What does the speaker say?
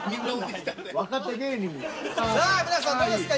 さあ皆さんどうですか？